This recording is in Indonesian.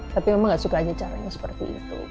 tapi emang gak suka aja caranya seperti itu